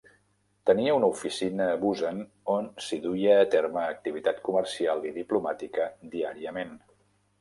Tenia una oficina a Busan on s'hi duia a terme activitat comercial i diplomàtica diàriament.